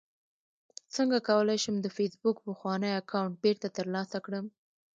څنګه کولی شم د فېسبوک پخوانی اکاونټ بیرته ترلاسه کړم